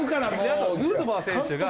やっぱヌートバー選手が。